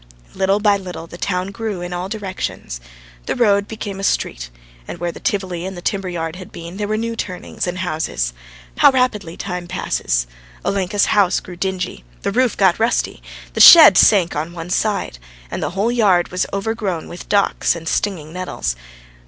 Little by little the town grew in all directions. The road became a street, and where the Tivoli and the timber yard had been, there were new turnings and houses. How rapidly time passes! Olenka's house grew dingy, the roof got rusty, the shed sank on one side, and the whole yard was overgrown with docks and stinging nettles.